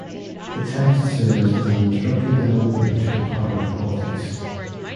The text serves as an introductory level book to comparative politics.